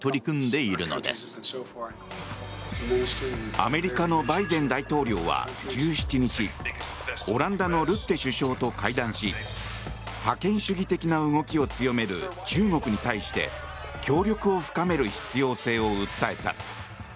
アメリカのバイデン大統領は１７日オランダのルッテ首相と会談し覇権主義的な動きを強める中国に対して協力を深める必要性を訴えた。